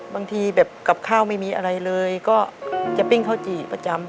บางทีแบบกับข้าวไม่มีอะไรเลยก็จะปิ้งข้าวจี่ประจำ